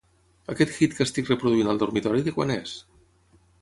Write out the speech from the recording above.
Aquest hit que estic reproduint al dormitori de quan és?